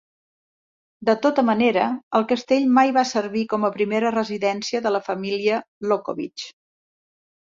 De tota manera, el castell mai va servir com a primera residència de la família Lobkowicz.